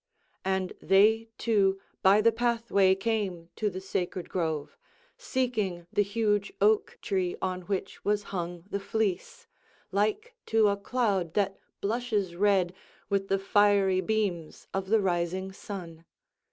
And they two by the pathway came to the sacred grove, seeking the huge oak tree on which was hung the fleece, like to a cloud that blushes red with the fiery beams of the rising sun.